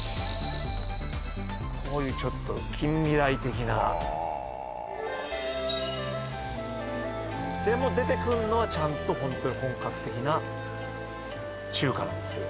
こういうちょっと近未来的なはあでも出てくんのはちゃんとホントに本格的な中華なんですよ